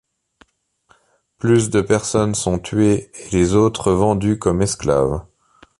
Plus de personnes sont tuées et les autres vendues comme esclaves.